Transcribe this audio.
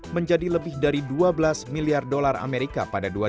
menjadi lebih dari dua belas miliar dolar amerika pada dua ribu dua puluh